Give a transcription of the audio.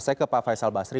saya ke pak faisal basri